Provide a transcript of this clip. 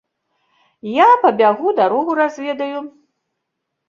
Я пабягу дарогу разведаю.